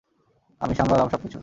আমি সামলালাম সবকিছু।